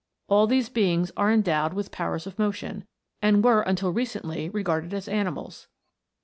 All these beings are endowed with powers of motion, and were until quite recently regarded as animals.